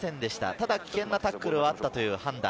ただ危険なタックルはあったという判断。